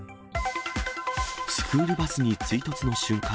スクールバスに追突の瞬間。